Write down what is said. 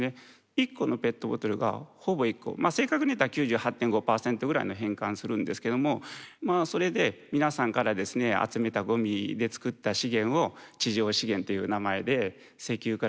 １個のペットボトルがほぼ１個正確に言ったら９８．５％ぐらいの変換するんですけどもまあそれで皆さんからですね集めたごみで作った資源を「地上資源」という名前で石油から作った資源を「地下資源」。